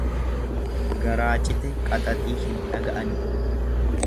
Garaa cite qaxaxii hin dhaga'ani.